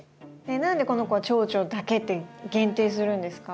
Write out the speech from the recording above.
何でこの子はチョウチョだけって限定するんですか？